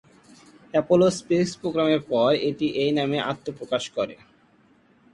Apollo space প্রোগ্রামের পর এটি এই নামে আত্নপ্রকাশ করে।